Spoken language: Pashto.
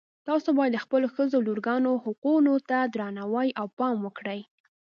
تاسو باید د خپلو ښځو او لورګانو حقونو ته درناوی او پام وکړئ